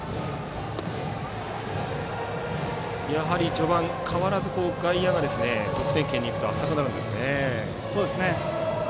序盤、変わらず、外野は得点圏に行くと浅くなりますね。